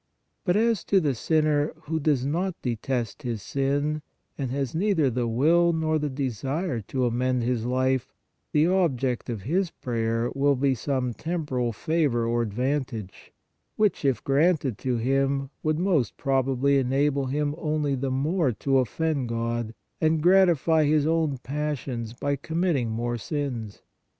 But as to the sinner who does not detest his sin and has neither the will nor the desire to amend his life, the object of his prayer will be some temporal favor or advantage, which, if granted to him, would most probably enable him only the more to offend God and gratify his own passions by committing more sins.